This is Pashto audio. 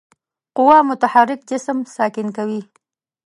قوه متحرک جسم ساکن کوي.